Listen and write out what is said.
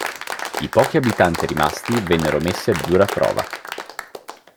I pochi abitanti rimasti vennero messi a dura prova.